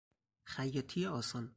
خیاطی آسان